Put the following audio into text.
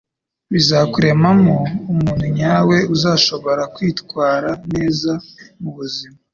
bizakuremamo umuntu nyawe uzashobora kwitwara neza mu buzima